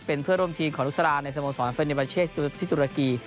เป็นเพื่อร่วมทีมของลูกศราในสโมงศรเฟรนดีบาเชศที่ตุรกี